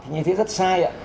như thế rất sai ạ